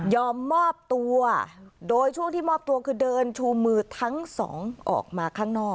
มอบตัวโดยช่วงที่มอบตัวคือเดินชูมือทั้งสองออกมาข้างนอก